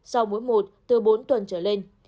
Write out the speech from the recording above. sau mũi một từ bốn tuần trở lên